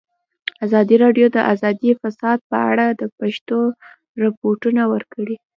ازادي راډیو د اداري فساد په اړه د پېښو رپوټونه ورکړي.